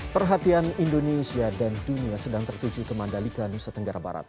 perhatian indonesia dan dunia sedang tertuju ke mandalika nusa tenggara barat